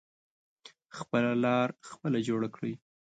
خپله لاره خپله جوړه کړی.